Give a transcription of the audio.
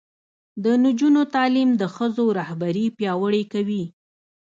د نجونو تعلیم د ښځو رهبري پیاوړې کوي.